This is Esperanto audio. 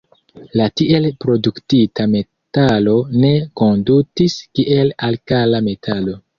La tiel produktita metalo ne kondutis kiel alkala metalo.